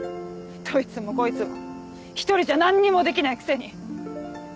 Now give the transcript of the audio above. どいつもこいつも一人じゃ何にもできないくせに！